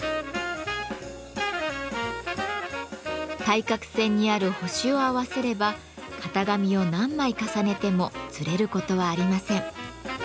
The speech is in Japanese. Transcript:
対角線にある星を合わせれば型紙を何枚重ねてもずれることはありません。